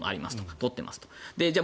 取っていますかとか。